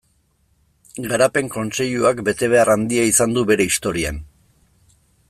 Garapen Kontseiluak betebehar handia izan du bere historian.